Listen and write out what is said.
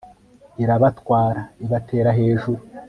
irabatwara ... ibatera hejuru